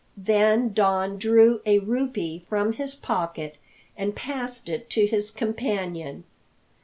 Then Don drew a rupee from his pocket and passed it to his companion...